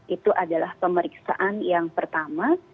itu adalah pemeriksaan yang pertama